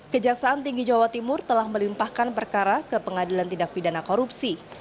kejaksaan tinggi jawa timur telah melimpahkan perkara ke pengadilan tindak pidana korupsi